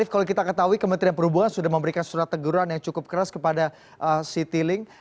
kalau kita ketahui kementerian perhubungan sudah memberikan surat teguran yang cukup keras kepada citilink